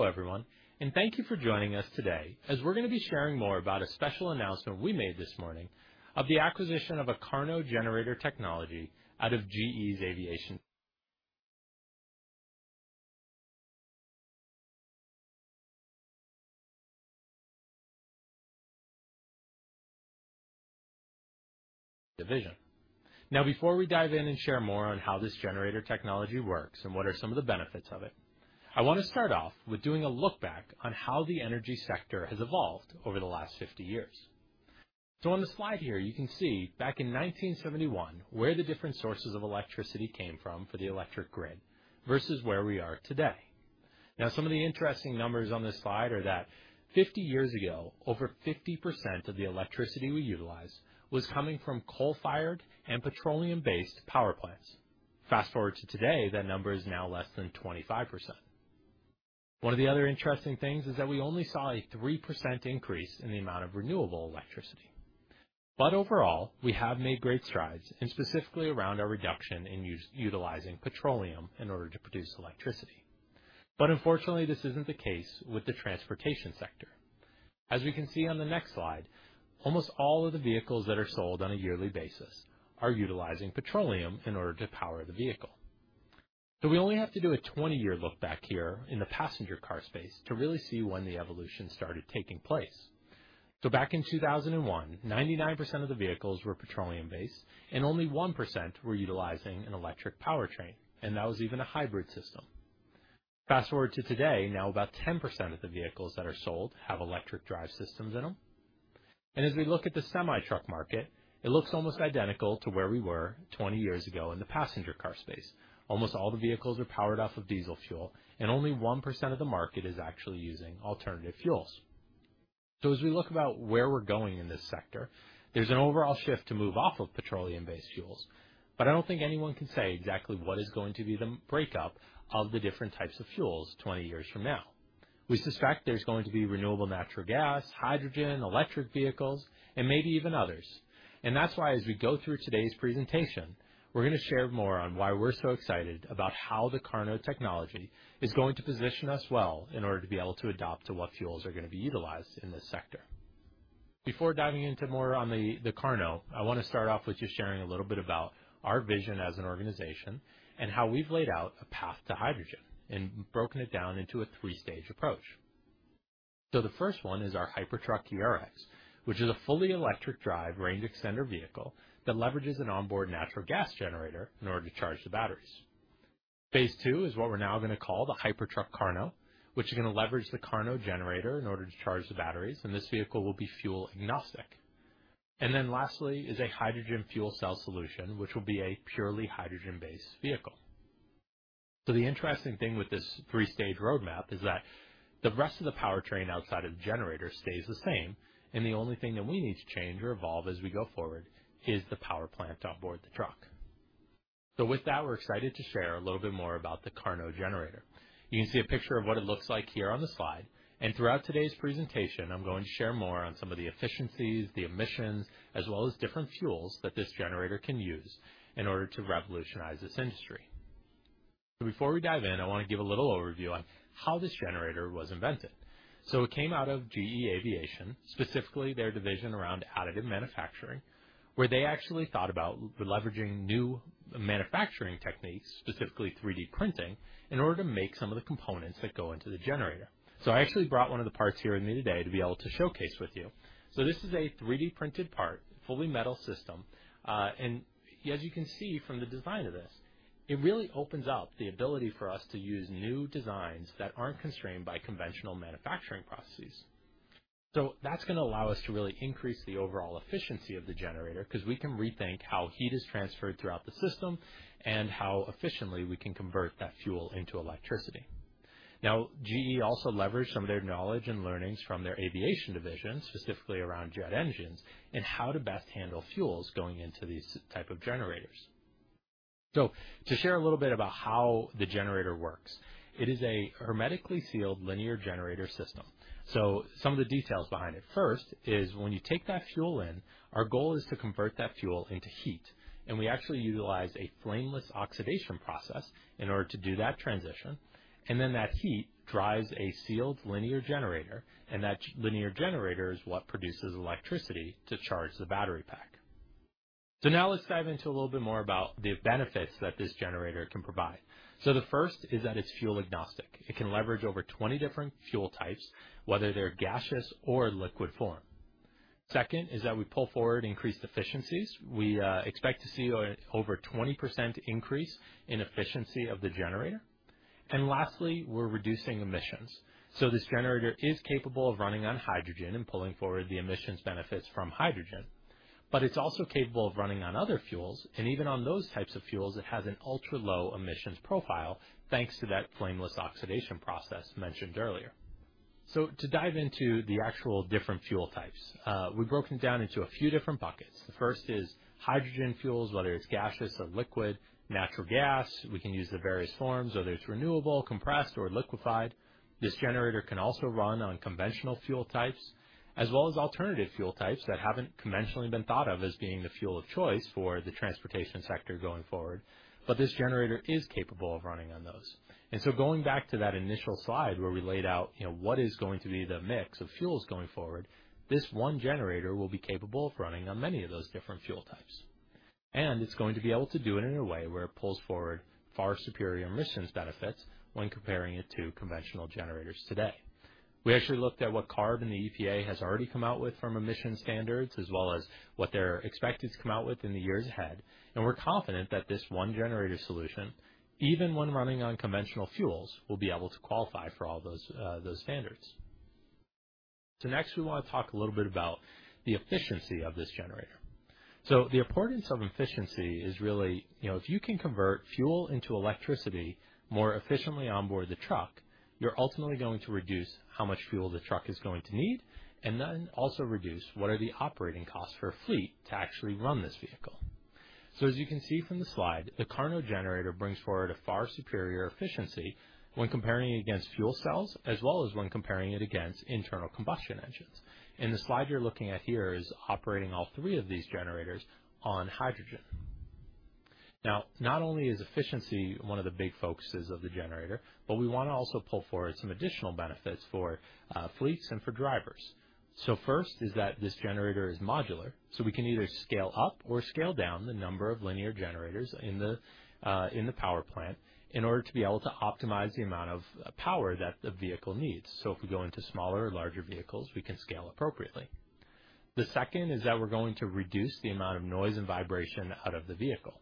Hello, everyone, and thank you for joining us today as we're gonna be sharing more about a special announcement we made this morning of the acquisition of a KARNO generator technology out of GE's Additive division. Now, before we dive in and share more on how this generator technology works and what are some of the benefits of it, I wanna start off with doing a look back on how the energy sector has evolved over the last 50 years. On the slide here, you can see back in 1971, where the different sources of electricity came from for the electric grid versus where we are today. Now, some of the interesting numbers on this slide are that 50 years ago, over 50% of the electricity we utilized was coming from coal-fired and petroleum-based power plants. Fast-forward to today, that number is now less than 25%. One of the other interesting things is that we only saw a 3% increase in the amount of renewable electricity. Overall, we have made great strides, and specifically around our reduction in using petroleum in order to produce electricity. Unfortunately, this isn't the case with the transportation sector. As we can see on the next slide, almost all of the vehicles that are sold on a yearly basis are utilizing petroleum in order to power the vehicle. We only have to do a 20-year look back here in the passenger car space to really see when the evolution started taking place. Back in 2001, 99% of the vehicles were petroleum-based, and only 1% were utilizing an electric powertrain, and that was even a hybrid system. Fast-forward to today, now about 10% of the vehicles that are sold have electric drive systems in them. As we look at the semi-truck market, it looks almost identical to where we were 20 years ago in the passenger car space. Almost all the vehicles are powered off of diesel fuel, and only 1% of the market is actually using alternative fuels. As we look about where we're going in this sector, there's an overall shift to move off of petroleum-based fuels, but I don't think anyone can say exactly what is going to be the makeup of the different types of fuels 20 years from now. We suspect there's going to be renewable natural gas, hydrogen, electric vehicles, and maybe even others. That's why as we go through today's presentation, we're gonna share more on why we're so excited about how the KARNO technology is going to position us well in order to be able to adapt to what fuels are gonna be utilized in this sector. Before diving into more on the KARNO, I wanna start off with just sharing a little bit about our vision as an organization and how we've laid out a path to hydrogen and broken it down into a three-stage approach. The first one is our Hypertruck ERX, which is a fully electric drive range extender vehicle that leverages an onboard natural gas generator in order to charge the batteries. Phase two is what we're now gonna call the Hypertruck KARNO, which is gonna leverage the KARNO generator in order to charge the batteries, and this vehicle will be fuel agnostic. Then lastly is a hydrogen fuel cell solution, which will be a purely hydrogen-based vehicle. The interesting thing with this three-stage roadmap is that the rest of the powertrain outside of the generator stays the same, and the only thing that we need to change or evolve as we go forward is the power plant to onboard the truck. With that, we're excited to share a little bit more about the KARNO generator. You can see a picture of what it looks like here on the slide. Throughout today's presentation, I'm going to share more on some of the efficiencies, the emissions, as well as different fuels that this generator can use in order to revolutionize this industry. Before we dive in, I wanna give a little overview on how this generator was invented. It came out of GE Aerospace, specifically their division around additive manufacturing, where they actually thought about leveraging new manufacturing techniques, specifically 3D printing, in order to make some of the components that go into the generator. This is a 3D-printed part, fully metal system, and as you can see from the design of this, it really opens up the ability for us to use new designs that aren't constrained by conventional manufacturing processes. That's gonna allow us to really increase the overall efficiency of the generator 'cause we can rethink how heat is transferred throughout the system and how efficiently we can convert that fuel into electricity. Now, GE also leveraged some of their knowledge and learnings from their aviation division, specifically around jet engines and how to best handle fuels going into these type of generators. To share a little bit about how the generator works, it is a hermetically sealed linear generator system. Some of the details behind it. First is when you take that fuel in, our goal is to convert that fuel into heat, and we actually utilize a flameless oxidation process in order to do that transition, and then that heat drives a sealed linear generator, and that linear generator is what produces electricity to charge the battery pack. Now let's dive into a little bit more about the benefits that this generator can provide. The first is that it's fuel agnostic. It can leverage over 20 different fuel types, whether they're gaseous or liquid form. Second is that we pull forward increased efficiencies. We expect to see over 20% increase in efficiency of the generator. Lastly, we're reducing emissions. This generator is capable of running on hydrogen and pulling forward the emissions benefits from hydrogen, but it's also capable of running on other fuels, and even on those types of fuels, it has an ultra-low emissions profile, thanks to that flameless oxidation process mentioned earlier. To dive into the actual different fuel types, we've broken down into a few different buckets. The first is hydrogen fuels, whether it's gaseous or liquid, natural gas, we can use the various forms, whether it's renewable, compressed, or liquefied. This generator can also run on conventional fuel types, as well as alternative fuel types that haven't conventionally been thought of as being the fuel of choice for the transportation sector going forward, but this generator is capable of running on those. Going back to that initial slide where we laid out, you know, what is going to be the mix of fuels going forward, this one generator will be capable of running on many of those different fuel types. It's going to be able to do it in a way where it pulls forward far superior emissions benefits when comparing it to conventional generators today. We actually looked at what CARB and the EPA has already come out with from emissions standards as well as what they're expected to come out with in the years ahead. We're confident that this one generator solution, even when running on conventional fuels, will be able to qualify for all those standards. Next, we wanna talk a little bit about the efficiency of this generator. The importance of efficiency is really, you know, if you can convert fuel into electricity more efficiently on board the truck, you're ultimately going to reduce how much fuel the truck is going to need and then also reduce what are the operating costs for a fleet to actually run this vehicle. As you can see from the slide, the KARNO generator brings forward a far superior efficiency when comparing against fuel cells as well as when comparing it against internal combustion engines. The slide you're looking at here is operating all three of these generators on hydrogen. Now, not only is efficiency one of the big focuses of the generator, but we wanna also pull forward some additional benefits for fleets and for drivers. First is that this generator is modular, so we can either scale up or scale down the number of linear generators in the power plant in order to be able to optimize the amount of power that the vehicle needs. If we go into smaller or larger vehicles, we can scale appropriately. The second is that we're going to reduce the amount of noise and vibration out of the vehicle.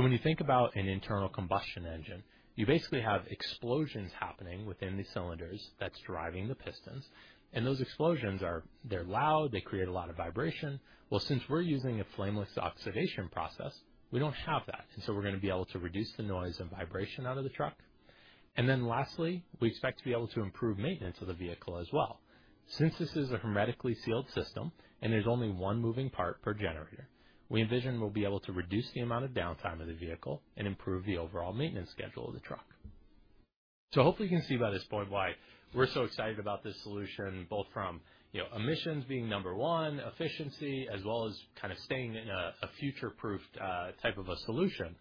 When you think about an internal combustion engine, you basically have explosions happening within the cylinders that's driving the pistons. Those explosions are. They're loud, they create a lot of vibration. Well, since we're using a flameless oxidation process, we don't have that. We're gonna be able to reduce the noise and vibration out of the truck. Lastly, we expect to be able to improve maintenance of the vehicle as well. Since this is a hermetically sealed system and there's only one moving part per generator, we envision we'll be able to reduce the amount of downtime of the vehicle and improve the overall maintenance schedule of the truck. Hopefully you can see by this point why we're so excited about this solution, both from, you know, emissions being number one, efficiency, as well as kind of staying in a future-proofed type of a solution.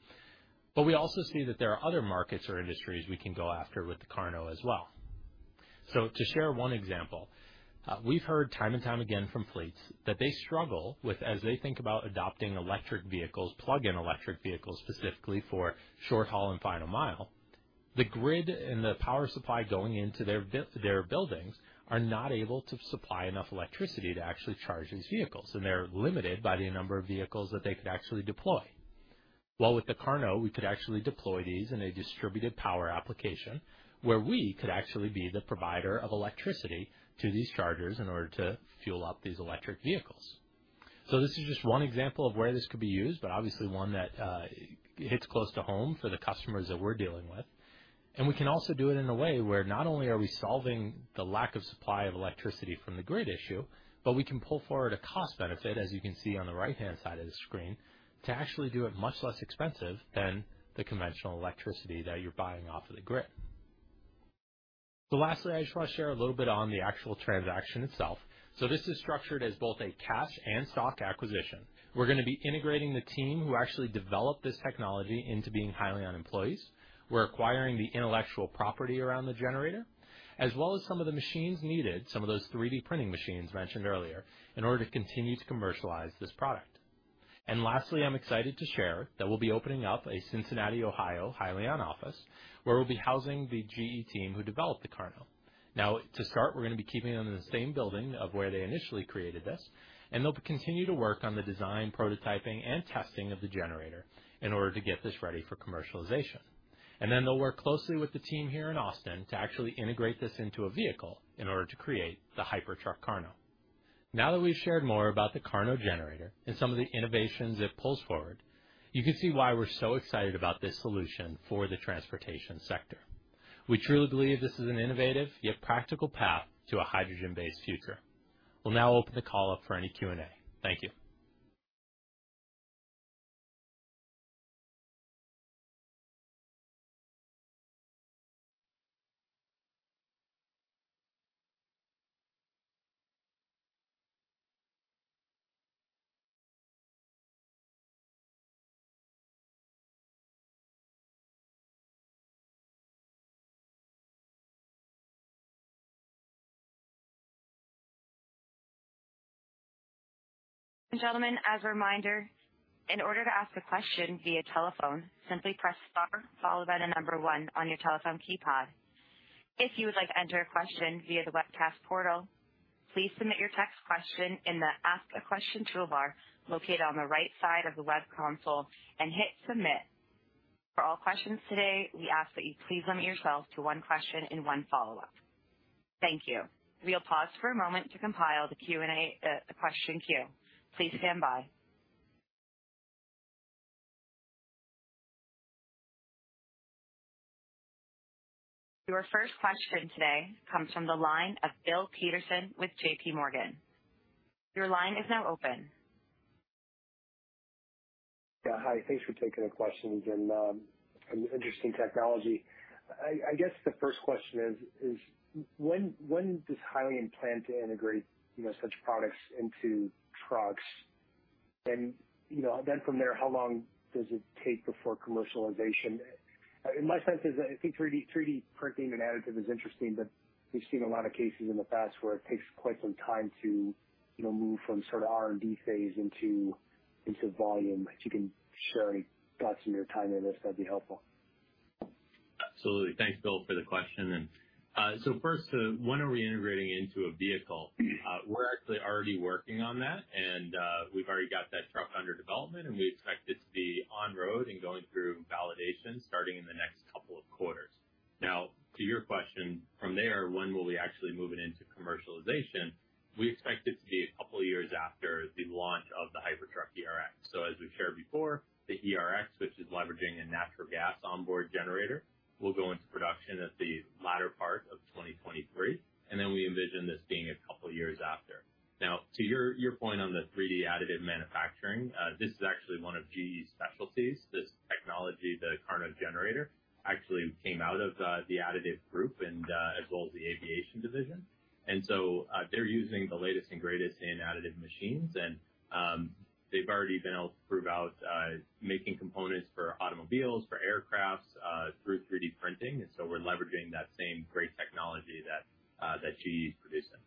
We also see that there are other markets or industries we can go after with the KARNO as well. To share one example, we've heard time and time again from fleets that they struggle with as they think about adopting electric vehicles, plug-in electric vehicles, specifically for short-haul and final mile. The grid and the power supply going into their buildings are not able to supply enough electricity to actually charge these vehicles, and they're limited by the number of vehicles that they could actually deploy. Well, with the KARNO, we could actually deploy these in a distributed power application where we could actually be the provider of electricity to these chargers in order to fuel up these electric vehicles. This is just one example of where this could be used, but obviously one that hits close to home for the customers that we're dealing with. We can also do it in a way where not only are we solving the lack of supply of electricity from the grid issue, but we can pull forward a cost benefit, as you can see on the right-hand side of the screen, to actually do it much less expensive than the conventional electricity that you're buying off of the grid. Lastly, I just wanna share a little bit on the actual transaction itself. This is structured as both a cash and stock acquisition. We're gonna be integrating the team who actually developed this technology into being Hyliion employees. We're acquiring the intellectual property around the generator, as well as some of the machines needed, some of those 3D printing machines mentioned earlier, in order to continue to commercialize this product. Lastly, I'm excited to share that we'll be opening up a Cincinnati, Ohio, Hyliion office, where we'll be housing the GE team who developed the KARNO. Now to start, we're gonna be keeping them in the same building of where they initially created this, and they'll continue to work on the design, prototyping, and testing of the generator in order to get this ready for commercialization. Then they'll work closely with the team here in Austin to actually integrate this into a vehicle in order to create the Hypertruck KARNO. Now that we've shared more about the KARNO generator and some of the innovations it pulls forward, you can see why we're so excited about this solution for the transportation sector. We truly believe this is an innovative yet practical path to a hydrogen-based future. We'll now open the call up for any Q&A. Thank you. Gentlemen, as a reminder, in order to ask a question via telephone, simply press star followed by the number one on your telephone keypad. If you would like to enter a question via the webcast portal, please submit your text question in the Ask a Question toolbar located on the right side of the web console and hit Submit. For all questions today, we ask that you please limit yourself to one question and one follow-up. Thank you. We'll pause for a moment to compile the Q&A question queue. Please stand by. Your first question today comes from the line of Bill Peterson with JPMorgan. Your line is now open. Yeah. Hi. Thanks for taking the questions and an interesting technology. I guess the first question is when does Hyliion plan to integrate, you know, such products into trucks? You know, then from there, how long does it take before commercialization? My sense is that I think 3D printing and additive is interesting, but we've seen a lot of cases in the past where it takes quite some time to, you know, move from sort of R&D phase into volume. If you can share any thoughts from your time in this, that'd be helpful. Absolutely. Thanks, Bill, for the question. First, to when are we integrating into a vehicle? We're actually already working on that, and we've already got that truck under development, and we expect it to be on-road and going through validation starting in the next couple of quarters. Now, to your question, from there, when will we actually move it into commercialization? We expect it to be a couple of years after the launch of the Hypertruck ERX. As we've shared before, the ERX, which is leveraging a natural gas onboard generator, will go into production at the latter part of 2023, and then we envision this being a couple of years after. Now, to your point on the 3D additive manufacturing, this is actually one of GE's specialties. This technology, the KARNO generator, actually came out of the additive group and as well as the aviation division. They're using the latest and greatest in additive machines and they've already been able to prove out making components for automobiles, for aircraft through 3D printing. We're leveraging that same great technology that GE's producing.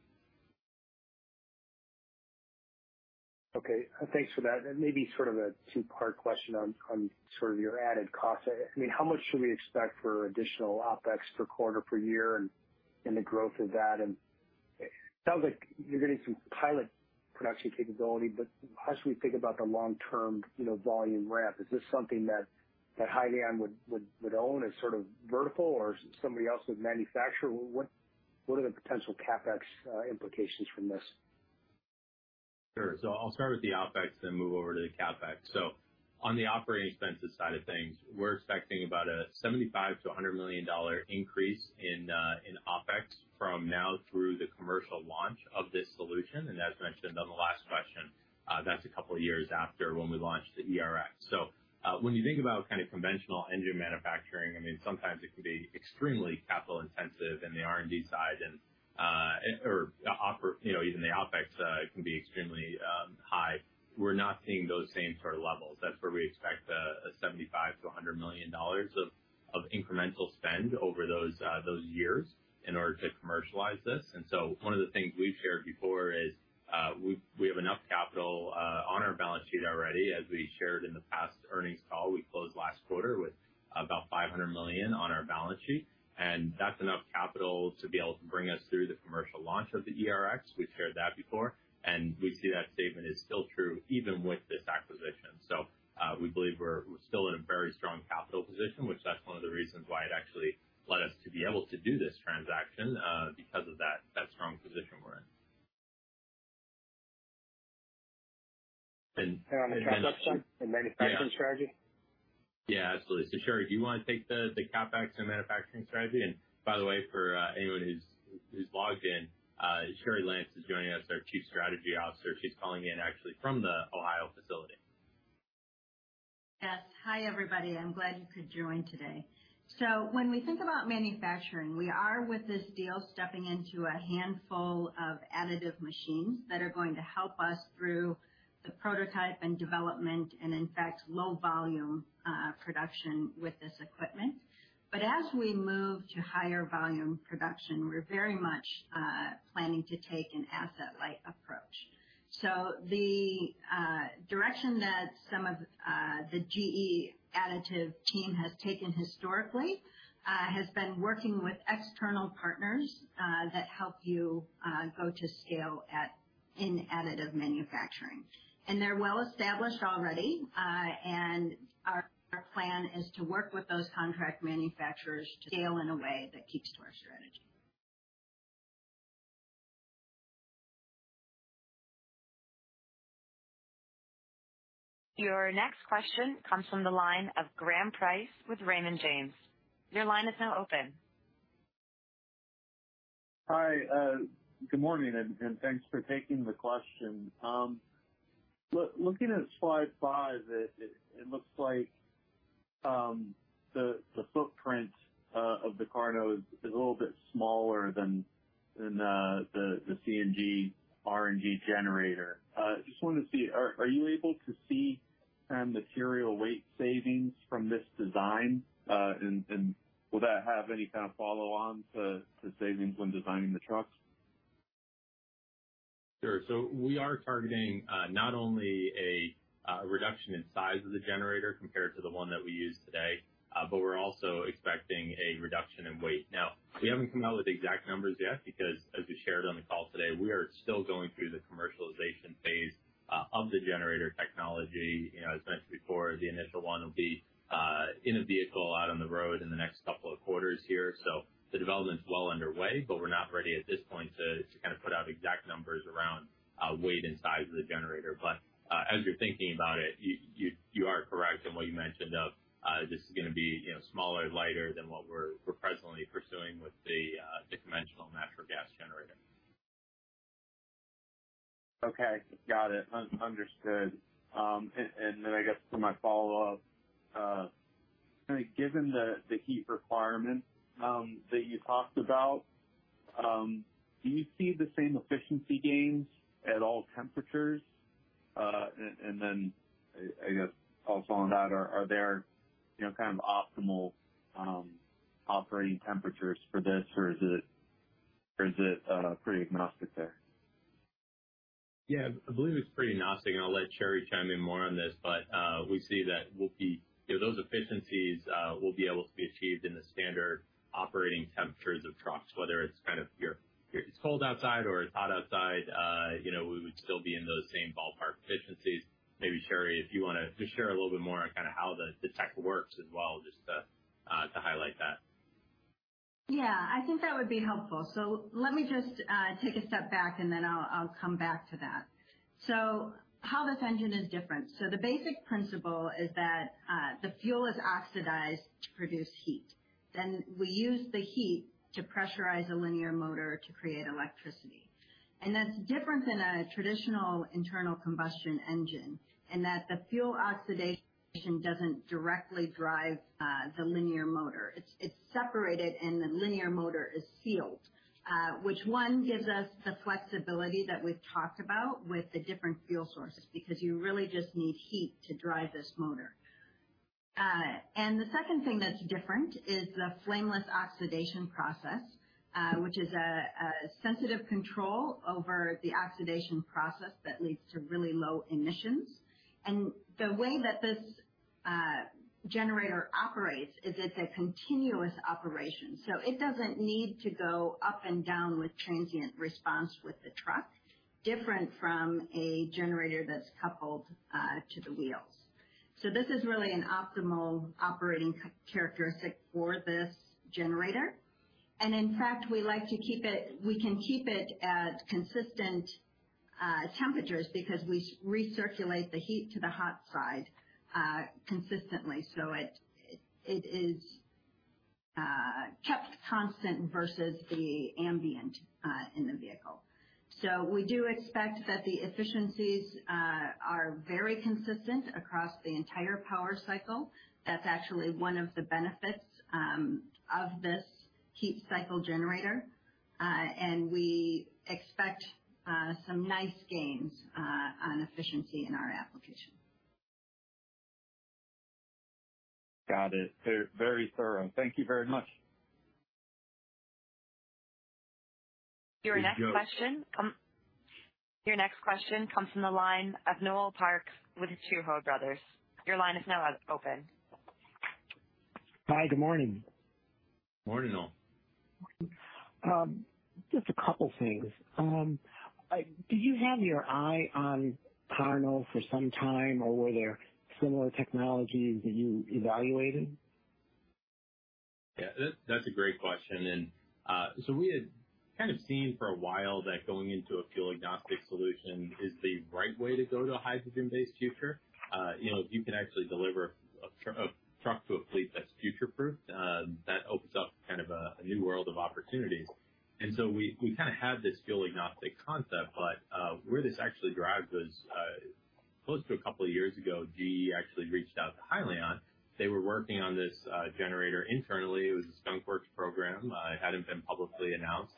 Okay. Thanks for that. Maybe sort of a two-part question on sort of your added cost. I mean, how much should we expect for additional OpEx per quarter, per year and the growth of that? It sounds like you're getting some pilot production capability, but how should we think about the long-term, you know, volume ramp? Is this something that Hyliion would own as sort of vertical or somebody else would manufacture? What are the potential CapEx implications from this? Sure. I'll start with the OpEx then move over to the CapEx. On the operating expenses side of things, we're expecting about a $75 million-$100 million increase in OpEx from now through the commercial launch of this solution. As mentioned on the last question, that's a couple of years after when we launch the ERX. When you think about kind of conventional engine manufacturing, I mean, sometimes it can be extremely capital intensive in the R&D side and you know, even the OpEx can be extremely high. We're not seeing those same sort of levels. That's where we expect a $75 million-$100 million of incremental spend over those years in order to commercialize this. One of the things we've shared before is, we have enough capital on our balance sheet already. As we shared in the past earnings call, we closed last quarter with about $500 million on our balance sheet, and that's enough capital to be able to bring us through the commercial launch of the ERX. We've shared that before, and we see that statement is still true even with this acquisition. We believe we're still in a very strong capital position, which that's one of the reasons why it actually led us to be able to do this transaction, because of that strong position we're in. On the transaction and manufacturing strategy? Yeah, absolutely. Cheri, do you wanna take the CapEx and manufacturing strategy? By the way, for anyone who's logged in, Cheri Lantz is joining us, our Chief Strategy Officer. She's calling in actually from the Ohio facility. Yes. Hi, everybody. I'm glad you could join today. When we think about manufacturing, we are, with this deal, stepping into a handful of additive machines that are going to help us through the prototype and development and in fact low-volume production with this equipment. As we move to higher-volume production, we're very much planning to take an asset light approach. The direction that some of the GE Additive team has taken historically has been working with external partners that help you go to scale in additive manufacturing. They're well-established already. Our plan is to work with those contract manufacturers to scale in a way that keeps to our strategy. Your next question comes from the line of Graham Price with Raymond James. Your line is now open. Hi. Good morning, and thanks for taking the question. Looking at slide 5, it looks like the footprint of the KARNO is a little bit smaller than the CNG RNG generator. Just wanted to see, are you able to see some material weight savings from this design? Will that have any kind of follow on to savings when designing the trucks? Sure. We are targeting not only a reduction in size of the generator compared to the one that we use today, but we're also expecting a reduction in weight. Now, we haven't come out with exact numbers yet because as we shared on the call today, we are still going through the commercialization phase of the generator technology. You know, as mentioned before, the initial one will be in a vehicle out on the road in the next couple of quarters here. The development's well underway, but we're not ready at this point to kind of put out exact numbers around weight and size of the generator. As you're thinking about it, you are correct in what you mentioned of this is gonna be, you know, smaller and lighter than what we're presently pursuing with the conventional natural gas generator. Okay. Got it. Understood. I guess for my follow-up, given the heat requirement that you talked about, do you see the same efficiency gains at all temperatures? I guess, also on that, are there, you know, kind of optimal operating temperatures for this or is it pretty agnostic there? Yeah, I believe it's pretty agnostic and I'll let Cheri chime in more on this, but we see that we'll be. You know, those efficiencies will be able to be achieved in the standard operating temperatures of trucks, whether it's if it's cold outside or it's hot outside, you know, we would still be in those same ballpark efficiencies. Maybe Cheri, if you wanna just share a little bit more on kinda how the tech works as well, just to highlight that. Yeah, I think that would be helpful. Let me just take a step back, and then I'll come back to that. How this engine is different. The basic principle is that the fuel is oxidized to produce heat. We use the heat to pressurize a linear motor to create electricity. That's different than a traditional internal combustion engine, in that the fuel oxidation doesn't directly drive the linear motor. It's separated and the linear motor is sealed. Which one gives us the flexibility that we've talked about with the different fuel sources, because you really just need heat to drive this motor. The second thing that's different is the flameless oxidation process, which is a sensitive control over the oxidation process that leads to really low-emissions. The way that this generator operates is it's a continuous operation, so it doesn't need to go up and down with transient response with the truck, different from a generator that's coupled to the wheels. This is really an optimal operating characteristic for this generator. In fact, we can keep it at consistent temperatures because we recirculate the heat to the hot side consistently, so it is kept constant versus the ambient in the vehicle. We do expect that the efficiencies are very consistent across the entire power cycle. That's actually one of the benefits of this heat cycle generator. We expect some nice gains on efficiency in our application. Got it. Very thorough. Thank you very much. Your next question comes from the line of Noel Parks with Tuohy Brothers. Your line is now open. Hi. Good morning. Morning, all. Just a couple things. Did you have your eye on KARNO for some time, or were there similar technologies that you evaluated? Yeah, that's a great question. We had kind of seen for a while that going into a fuel agnostic solution is the right way to go to a hydrogen-based future. You know, if you can actually deliver a truck to a fleet that's future proof, that opens up kind of a new world of opportunity. We kinda had this fuel agnostic concept, but where this actually derived was close to a couple of years ago, GE actually reached out to Hyliion. They were working on this generator internally. It was a skunkworks program. It hadn't been publicly announced.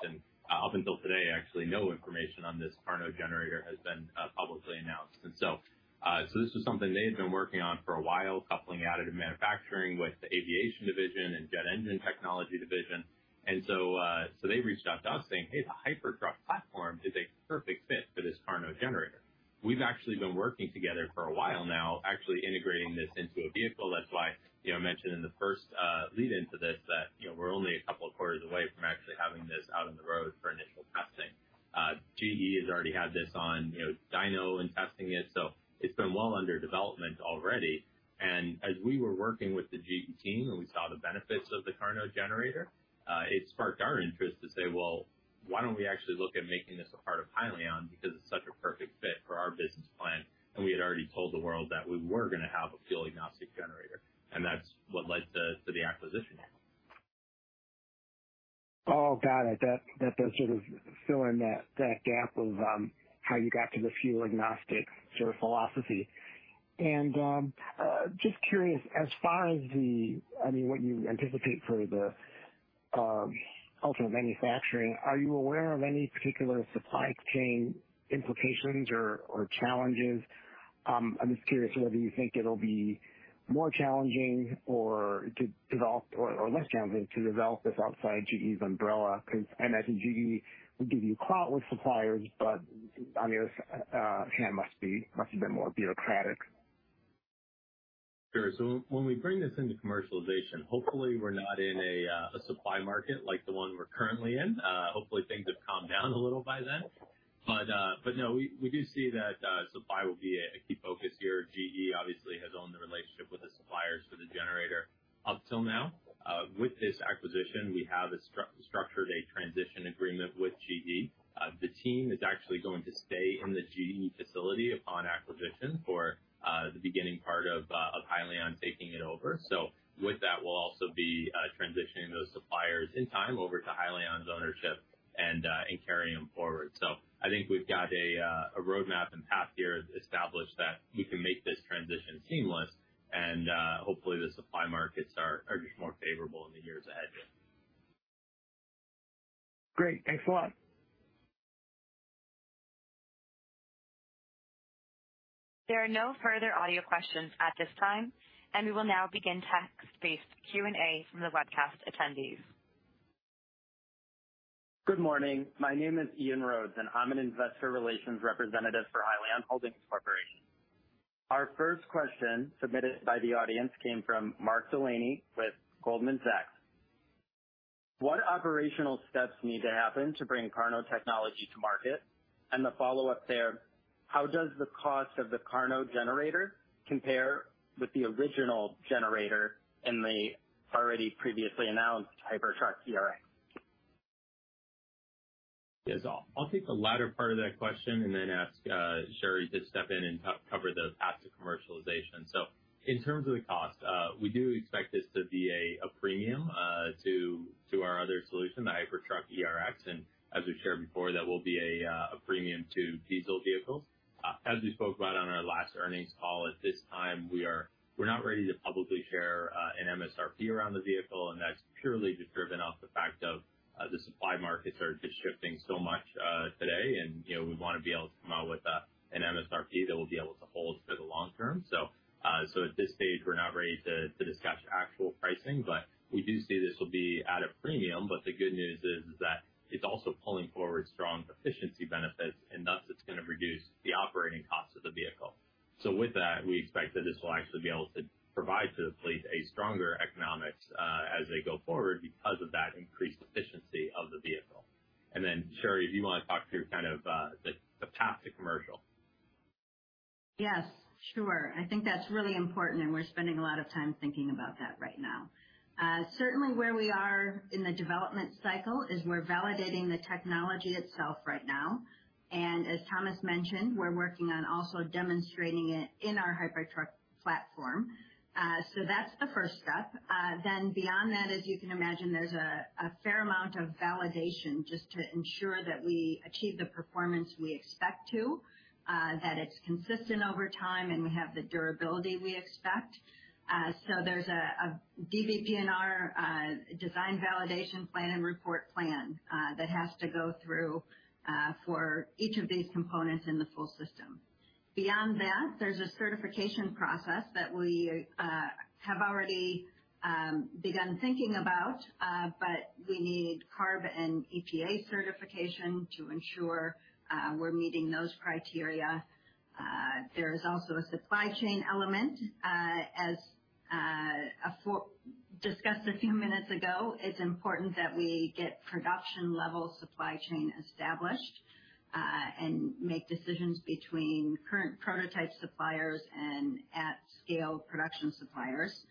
Up until today, actually, no information on this KARNO generator has been publicly announced. This was something they had been working on for a while, coupling additive manufacturing with the aviation division and jet engine technology division. They reached out to us saying, "Hey, the Hypertruck platform is a perfect fit for this KARNO generator." We've actually been working together for a while now, actually integrating this into a vehicle. That's why, you know, I mentioned in the first lead-in to this that, you know, we're only a couple of quarters away from actually having this out on the road for initial testing. GE has already had this on, you know, dyno and testing it, so it's been well under development already. As we were working with the GE team and we saw the benefits of the KARNO generator, it sparked our interest to say, "Well, why don't we actually look at making this a part of Hyliion, because it's such a perfect fit for our business plan." We had already told the world that we were gonna have a fuel agnostic generator, and that's what led to the acquisition. Oh, got it. That does sort of fill in that gap of how you got to the fuel agnostic sort of philosophy. Just curious, as far as the, I mean, what you anticipate for the ultimate manufacturing, are you aware of any particular supply chain implications or challenges? I'm just curious whether you think it'll be more challenging or less challenging to develop this outside GE's umbrella. 'Cause I imagine GE would give you clout with suppliers, but on the other hand must have been more bureaucratic. Sure. When we bring this into commercialization, hopefully we're not in a supply market like the one we're currently in. Hopefully things have calmed down a little by then. No, we do see that supply will be a key focus here. GE obviously has owned the relationship with the suppliers for the generator up till now. With this acquisition, we have structured a transition agreement with GE. The team is actually going to stay in the GE facility upon acquisition for the beginning part of Hyliion taking it over. With that, we'll also be transitioning those suppliers in time over to Hyliion's ownership and carrying them forward. I think we've got a roadmap and path here established that we can make this transition seamless, and hopefully the supply markets are just more favorable in the years ahead. Great. Thanks a lot. There are no further audio questions at this time, and we will now begin text-based Q&A from the webcast attendees. Good morning. My name is Ian Rhodes, and I'm an investor relations representative for Hyliion Holdings Corp. Our first question, submitted by the audience, came from Mark Delaney with Goldman Sachs. What operational steps need to happen to bring KARNO technology to market? And the follow-up there, how does the cost of the KARNO generator compare with the original generator in the already previously announced Hypertruck ERX? Yes. I'll take the latter part of that question and then ask Cheri to step in and cover the path to commercialization. In terms of the cost, we do expect this to be a premium to our other solution, the Hypertruck ERX. As we've shared before, that will be a premium to diesel vehicles. As we spoke about on our last earnings call, at this time we're not ready to publicly share an MSRP around the vehicle, and that's purely just driven off the fact of the supply markets are just shifting so much today. You know, we wanna be able to come out with an MSRP that we'll be able to hold for the long-term. At this stage, we're not ready to discuss actual pricing, but we do see this will be at a premium. The good news is that it's also pulling forward strong efficiency benefits, and thus it's gonna reduce the operating cost of the vehicle. With that, we expect that this will actually be able to provide to the fleet a stronger economics as they go forward because of that increased efficiency of the vehicle. Then, Cheri, do you wanna talk through kind of the path to commercial? Yes, sure. I think that's really important, and we're spending a lot of time thinking about that right now. Certainly where we are in the development cycle is we're validating the technology itself right now. As Thomas mentioned, we're working on also demonstrating it in our Hypertruck platform. That's the first step. Beyond that, as you can imagine, there's a fair amount of validation just to ensure that we achieve the performance we expect to, that it's consistent over time, and we have the durability we expect. There's a DVPR, design validation plan and report plan, that has to go through for each of these components in the full system. Beyond that, there's a certification process that we have already begun thinking about, but we need CARB and EPA certification to ensure we're meeting those criteria. There is also a supply chain element, as discussed a few minutes ago. It's important that we get production-level supply chain established, and make decisions between current prototype suppliers and at scale production suppliers.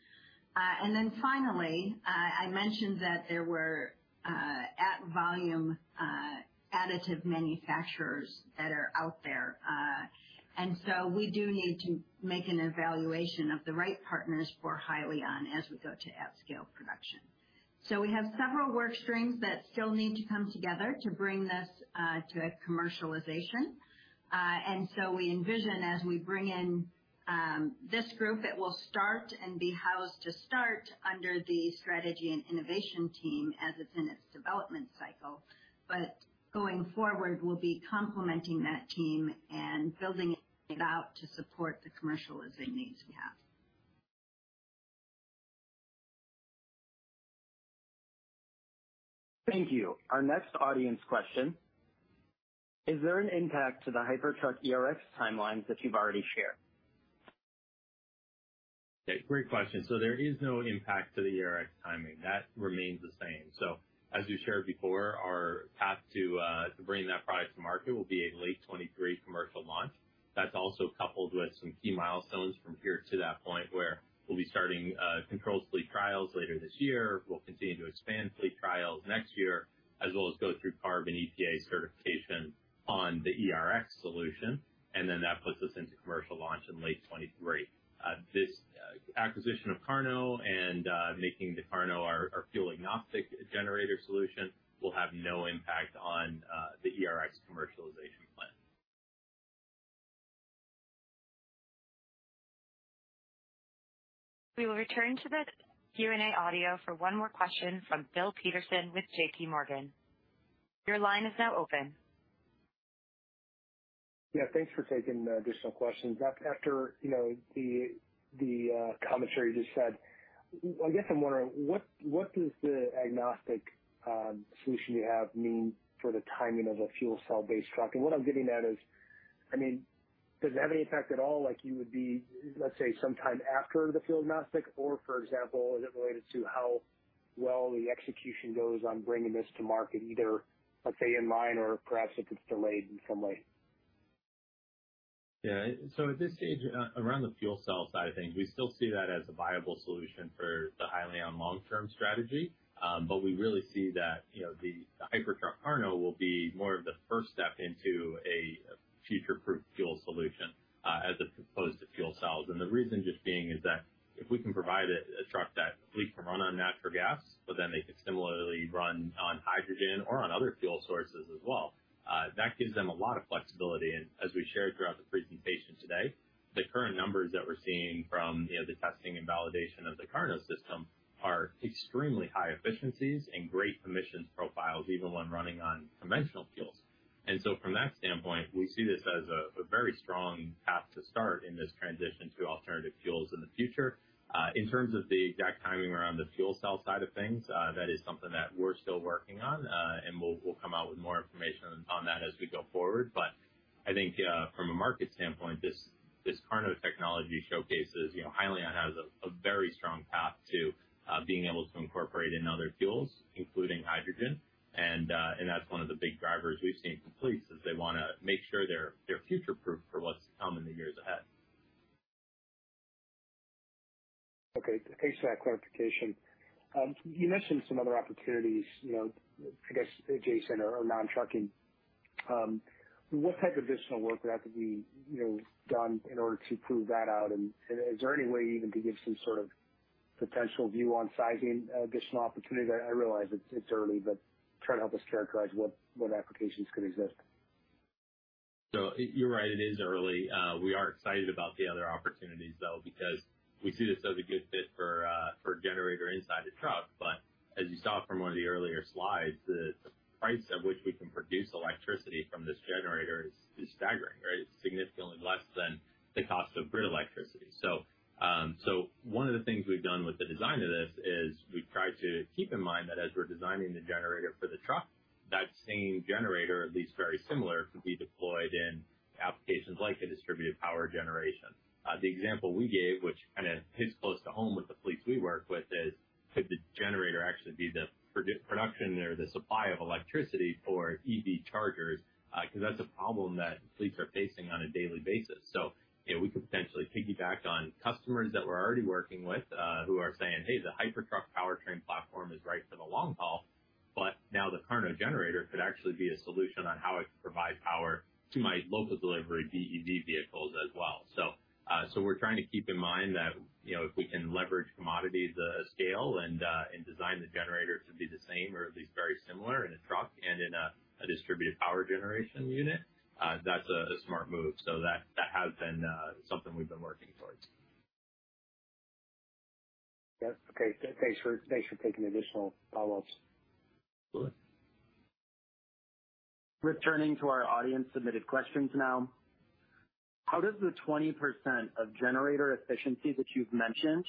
Then finally, I mentioned that there were at volume additive manufacturers that are out there. We do need to make an evaluation of the right partners for Hyliion as we go to at scale production. We have several work streams that still need to come together to bring this to a commercialization. We envision as we bring in this group, it will start and be housed to start under the strategy and innovation team as it's in its development cycle. Going forward, we'll be complementing that team and building it out to support the commercialization needs we have. Thank you. Our next audience question: Is there an impact to the Hypertruck ERX timelines that you've already shared? Yeah, great question. There is no impact to the ERX timing. That remains the same. As we shared before, our path to bringing that product to market will be a late 2023 commercial launch. That's also coupled with some key milestones from here to that point, where we'll be starting controlled fleet trials later this year. We'll continue to expand fleet trials next year, as well as go through CARB and EPA certification on the ERX solution. Then that puts us into commercial launch in late 2023. This acquisition of KARNO and making the KARNO our fuel-agnostic generator solution will have no impact on the ERX commercialization plan. We will return to the Q&A audio for one more question from Bill Peterson with JPMorgan. Your line is now open. Yeah, thanks for taking the additional questions. After, you know, the commentary you just said, I guess I'm wondering, what does the agnostic solution you have mean for the timing of a fuel cell-based truck? What I'm getting at is, I mean, does it have any effect at all? Like you would be, let's say, sometime after the fuel agnostic or for example, is it related to how well the execution goes on bringing this to market either, let's say, in line or perhaps if it's delayed in some way? Yeah. At this stage, around the fuel cell side of things, we still see that as a viable solution for the Hyliion long-term strategy. We really see that, you know, the Hypertruck KARNO will be more of the first step into a future-proof fuel solution, as opposed to fuel cells. The reason just being is that if we can provide a truck that at least can run on natural gas, but then they can similarly run on hydrogen or on other fuel sources as well. That gives them a lot of flexibility. As we shared throughout the presentation today, the current numbers that we're seeing from, you know, the testing and validation of the KARNO system are extremely high-efficiencies and great emissions profiles, even when running on conventional fuels. From that standpoint, we see this as a very strong path to start in this transition to alternative fuels in the future. In terms of the exact timing around the fuel cell side of things, that is something that we're still working on. We'll come out with more information on that as we go forward. I think from a market standpoint, this KARNO technology showcases, you know, Hyliion has a very strong path to being able to incorporate in other fuels, including hydrogen. That's one of the big drivers we've seen from fleets. They wanna make sure they're future proof for what's to come in the years ahead. Okay. Thanks for that clarification. You mentioned some other opportunities, you know, I guess adjacent or non-trucking. What type of additional work would have to be, you know, done in order to prove that out? And is there any way even to give some sort of potential view on sizing additional opportunity? I realize it's early, but try to help us characterize what applications could exist. You're right, it is early. We are excited about the other opportunities, though, because we see this as a good fit for a generator inside the truck. As you saw from one of the earlier slides, the price at which we can produce electricity from this generator is staggering, right? It's significantly less than the cost of grid electricity. One of the things we've done with the design of this is we've tried to keep in mind that as we're designing the generator for the truck, that same generator, at least very similar, could be deployed in applications like a distributed power generation. The example we gave, which kinda hits close to home with the fleets we work with, is, could the generator actually be the production or the supply of electricity for EV chargers? 'Cause that's a problem that fleets are facing on a daily basis. You know, we could potentially piggyback on customers that we're already working with, who are saying, "Hey, the Hypertruck powertrain platform is right for the long-haul, but now the KARNO generator could actually be a solution on how I could provide power to my local delivery BEV vehicles as well." We're trying to keep in mind that, you know, if we can leverage commodity the scale and design the generator to be the same or at least very similar in a truck and in a distributed power generation unit, that's a smart move. That has been something we've been working towards. Yeah. Okay. Thanks for taking the additional follow-ups. Absolutely. Returning to our audience-submitted questions now. How does the 20% of generator efficiency that you've mentioned,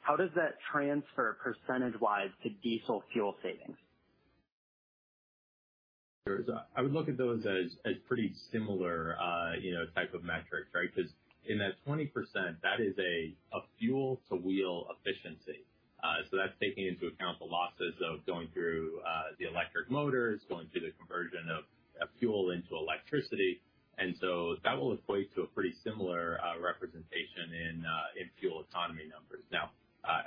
how does that transfer percentage-wise to diesel fuel savings? Sure. I would look at those as pretty similar, you know, type of metrics, right? Because in that 20%, that is a fuel to wheel efficiency. That's taking into account the losses of going through the electric motors, going through the conversion of fuel into electricity. That will equate to a pretty similar representation in fuel economy numbers. Now,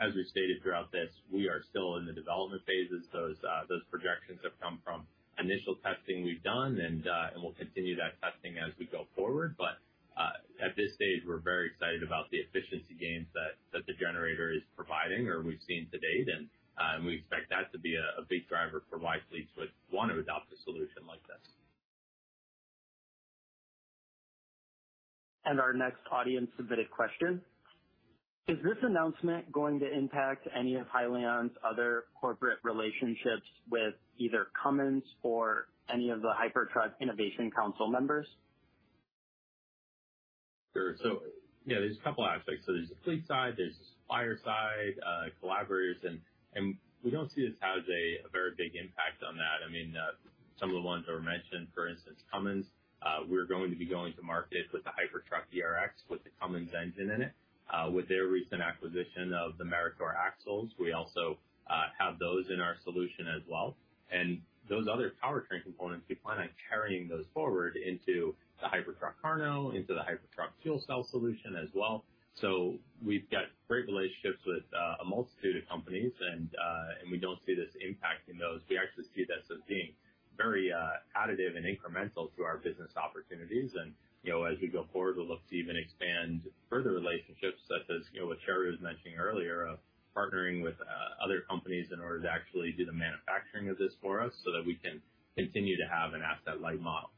as we've stated throughout this, we are still in the development phases. Those projections have come from initial testing we've done, and we'll continue that testing as we go forward. At this stage, we're very excited about the efficiency gains that the generator is providing or we've seen to date. We expect that to be a big driver for why fleets would want to adopt a solution like this. Our next audience-submitted question: Is this announcement going to impact any of Hyliion's other corporate relationships with either Cummins or any of the Hypertruck Innovation Council members? Sure. Yeah, there's a couple aspects. There's the fleet side, there's the supplier side, collaborators. We don't see this as having a very big impact on that. I mean, some of the ones that were mentioned, for instance, Cummins, we're going to be going to market with the Hypertruck ERX with the Cummins engine in it. With their recent acquisition of the Meritor axles, we also have those in our solution as well. Those other powertrain components, we plan on carrying those forward into the Hypertruck KARNO, into the Hypertruck fuel cell solution as well. We've got great relationships with a multitude of companies and we don't see this impacting those. We actually see this as being very additive and incremental to our business opportunities. You know, as we go forward, we'll look to even expand further relationships such as, you know, what Cheri was mentioning earlier of partnering with other companies in order to actually do the manufacturing of this for us so that we can continue to have an asset light model.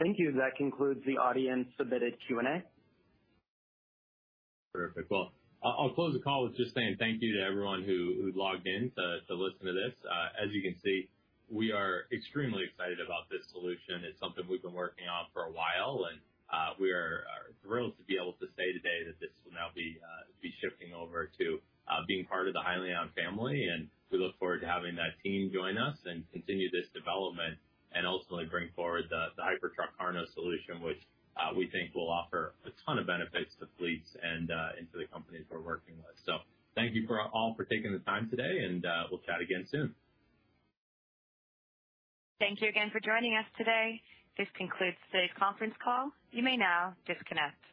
Thank you. That concludes the audience-submitted Q&A. Perfect. Well, I'll close the call with just saying thank you to everyone who logged in to listen to this. As you can see, we are extremely excited about this solution. It's something we've been working on for a while, and we are thrilled to be able to say today that this will now be shifting over to being part of the Hyliion family. We look forward to having that team join us and continue this development and ultimately bring forward the Hypertruck KARNO solution, which we think will offer a ton of benefits to fleets and to the companies we're working with. Thank you all for taking the time today, and we'll chat again soon. Thank you again for joining us today. This concludes the Conference Call. You may now disconnect.